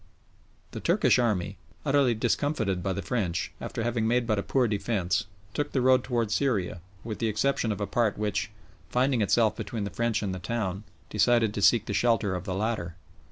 The Turkish army, utterly discomfited by the French, after having made but a poor defence, took the road towards Syria, with the exception of a part which, finding itself between the French and the town, decided to seek the shelter of the latter.